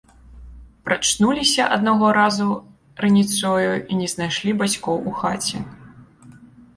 Прачнуліся аднаго разу раніцою і не знайшлі бацькоў у хаце.